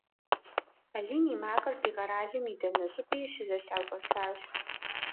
Алим и макъыр ди къэралым и дэнэ щӀыпӀи щызэлъащӀэсащ.